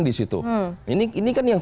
disitu ini kan yang